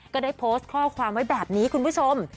ก็ได้โพสต์ข้อความไว้แบบนี้คุณผู้ชม